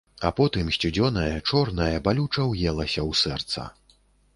А потым сцюдзёнае, чорнае балюча ўелася ў сэрца.